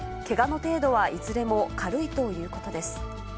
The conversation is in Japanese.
けがの程度はいずれも軽いということです。